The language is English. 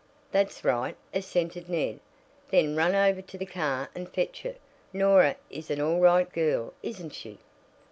"That's right," assented Ned, "Then run over to the car and fetch it. Norah is an all right girl, isn't she?"